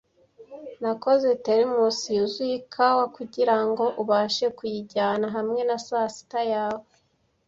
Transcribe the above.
Nakoze thermos yuzuye ikawa kugirango ubashe kuyijyana hamwe na sasita yawe.